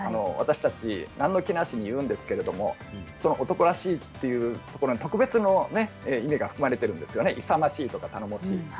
私たち、何の気なしに言うんですけど男らしいっていうことに特別な意味が含まれているんですよね勇ましいとか、頼もしい。